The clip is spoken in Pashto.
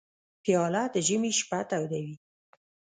پیاله د ژمي شپه تودوي.